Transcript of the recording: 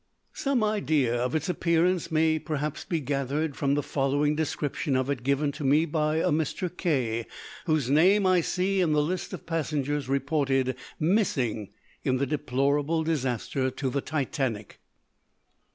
Some idea of its appearance may perhaps be gathered from the following description of it given me by a Mr. K , whose name I see in the list of passengers reported "missing" in the deplorable disaster to the "Titanic."